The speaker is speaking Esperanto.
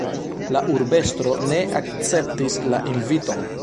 La urbestro ne akceptis la inviton.